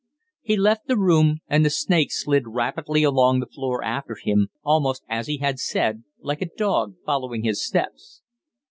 He left the room, and the snake slid rapidly along the floor after him, almost, as he had said, like a dog following his steps.